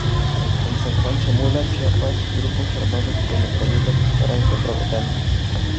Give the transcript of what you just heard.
En San Juan Chamula, Chiapas, grupos armados con metralletas disparan contra votantes.